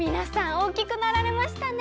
おおきくなられましたね。